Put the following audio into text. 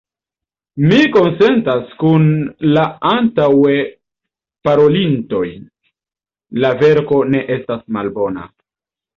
Mi konsentas kun la antaŭe parolintoj – la verko ne estas malbona.